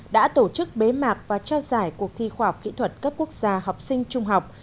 đã tổ chức bế mạc và trao giải cuộc thi khoa học kỹ thuật cấp quốc gia học sinh trung học